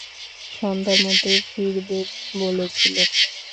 সন্ধ্যার মধ্যে ফিরবে বলেছিলে।